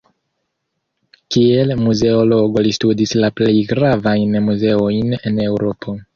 Kiel muzeologo li studis la plej gravajn muzeojn en Eŭropo.